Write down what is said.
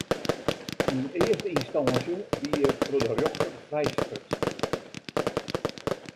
Yn earste ynstânsje wie er troch de rjochter frijsprutsen.